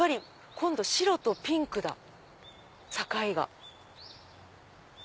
今度白とピンクだ境が。